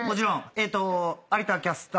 えっと。